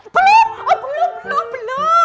belum oh belum belum belum